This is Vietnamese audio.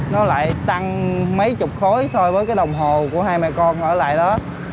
nó lại tăng mấy chục khối so với cái đồng hồ của hai mẹ con ở lại đó